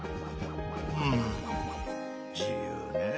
うん自由ねえ。